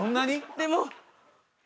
でも。